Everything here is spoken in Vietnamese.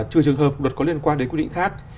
trừ trường hợp luật có liên quan đến quy định khác